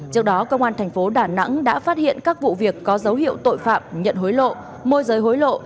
trước đó công an thành phố đà nẵng đã phát hiện các vụ việc có dấu hiệu tội phạm nhận hối lộ môi giới hối lộ